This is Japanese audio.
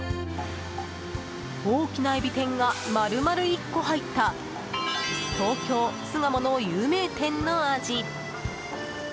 大きなエビ天が丸々１個入った東京・巣鴨の有名店の味。